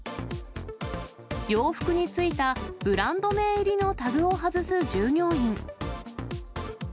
洋服についたブランド名入りのタグを外す従業員。